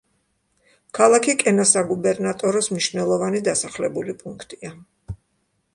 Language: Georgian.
ქალაქი კენას საგუბერნატოროს მნიშვნელოვანი დასახლებული პუნქტია.